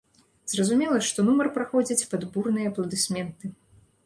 Зразумела, што нумар праходзіць пад бурныя апладысменты.